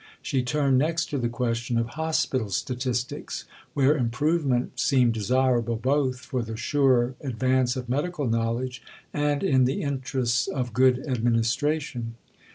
She turned next to the question of Hospital Statistics, where improvement seemed desirable both for the surer advance of medical knowledge and in the interests of good administration.